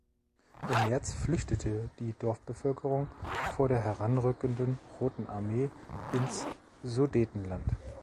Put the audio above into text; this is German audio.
Im März flüchtete die Dorfbevölkerung vor der heranrückenden Roten Armee ins Sudetenland.